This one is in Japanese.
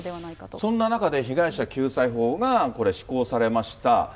そんな中で被害者救済法がこれ、施行されました。